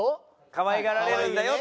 かわいがられるんだよと。